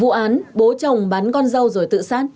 vụ án bố chồng bán con dâu rồi tự sát